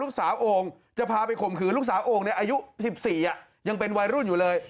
สาวโอ่งจะพาไปข่มขืนลูกสาวโอ่งในอายุ๑๔ยังเป็นวัยรุ่นอยู่เลย